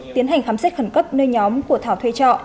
tiến hành khám xét khẩn cấp nơi nhóm của thảo thuê trọ